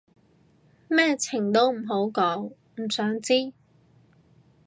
詳情唔好講，唔想知